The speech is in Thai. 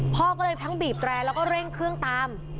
พ่อก็เลยทั้งบีบแตรแล้วก็เร่งเครื่องตาม